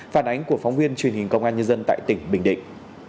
phản ánh của phóng viên truyền hình công an nhân dân tại tỉnh bình định